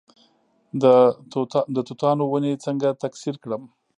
د توتانو ونې څنګه تکثیر کړم؟